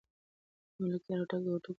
آیا ملکیار هوتک د هوتکو له کوره و؟